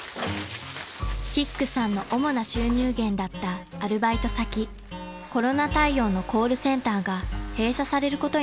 ［キックさんの主な収入源だったアルバイト先コロナ対応のコールセンターが閉鎖されることになったのです］